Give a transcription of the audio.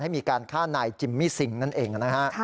ให้มีการฆ่านายจิมมี่สิงห์นั่นเอง